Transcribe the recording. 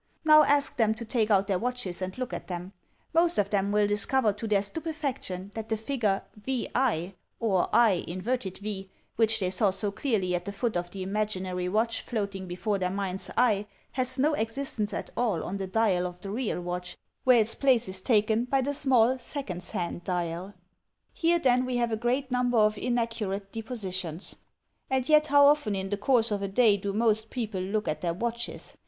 Now ask them to take out their watches and look at them. Most of them will discover to their stupefaction that the figure VI or lA which they saw so clearly at the foot of the imaginary watch floating before their mind's eye has no existence at all on the dial of the real watch, where its place is taken by the small seconds hand dial I Here, then, we have a great number of inaccurate deposi tions; and yet, how often in the course of a day do most people look at their watches!